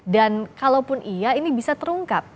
kalaupun iya ini bisa terungkap